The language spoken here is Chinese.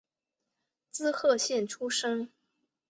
滋贺县出身。